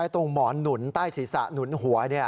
ตรงหมอนหนุนใต้ศีรษะหนุนหัว